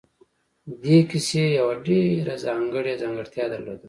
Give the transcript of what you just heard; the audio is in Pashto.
دې کيسې يوه ډېره ځانګړې ځانګړتيا درلوده.